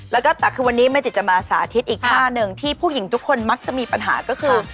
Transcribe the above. แล้วก็แต่คือวันนี้แม่จิตจะมาสาธิตอีกท่าหนึ่งที่ผู้หญิงทุกคนมักจะมีปัญหาก็คือ